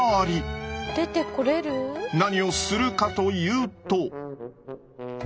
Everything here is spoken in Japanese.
何をするかというと。